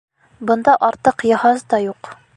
Бында артыҡ йыһаз да юҡ.